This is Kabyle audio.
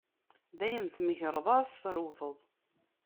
D ayen tmegreḍ ara tesrewreḍ.